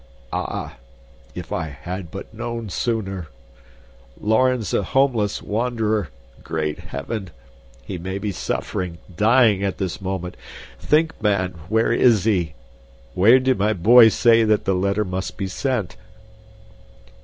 "Ah, if I had but known sooner! Laurens a homeless wanderer great heaven! He may be suffering, dying at this moment! Think, man, where is he? Where did my boy say that the letter must be sent?"